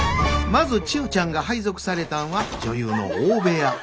まず千代ちゃんが配属されたんは女優の大部屋。